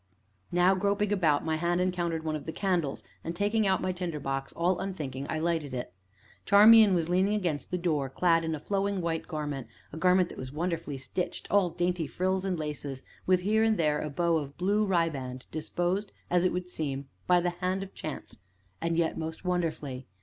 Now, groping about, my hand encountered one of the candles, and taking out my tinder box, all unthinking, I lighted it. Charmian was leaning against the door, clad in a flowing white garment a garment that was wonderfully stitched all dainty frills and laces, with here and there a bow of blue riband, disposed, it would seem, by the hand of chance, and yet most wonderfully.